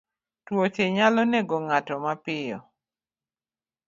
Tuoche nyalo nego ng'ato mapiyo.